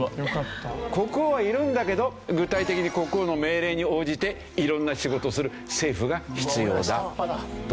国王はいるんだけど具体的に国王の命令に応じて色んな仕事をする政府が必要だという。